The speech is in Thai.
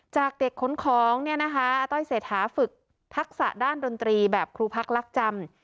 จากเด็กขนของเนี่ยนะคะอาต้อยเศรษฐาฝึกทักษะด้านดนตรีแบบครูพักรักจำ